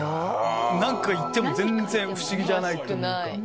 何かいても全然不思議じゃないというか。